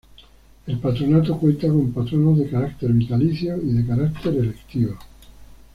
El patronato cuenta con patronos de carácter vitalicio y de carácter electivo.